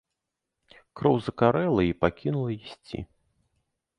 Кроў закарэла і пакінула ісці.